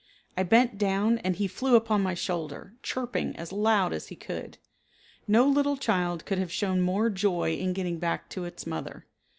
I bent down and he flew up on my shoulder, chirping as loud as he could. No little child could have shown more joy in getting back to its mother.